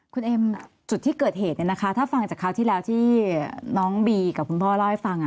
คุณเอ็มจุดที่เกิดเหตุเนี่ยนะคะถ้าฟังจากคราวที่แล้วที่น้องบีกับคุณพ่อเล่าให้ฟัง